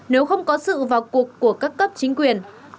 nếu không có sự vào cuộc của các cấp chính quyền